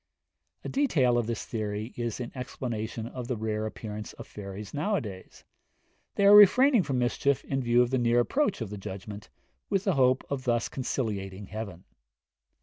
A detail of this theory is in explanation of the rare appearance of fairies nowadays; they are refraining from mischief in view of the near approach of the judgment, with the hope of thus conciliating heaven.